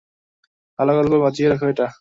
ভালো গল্প, বাঁচিয়ে রাখো এটা।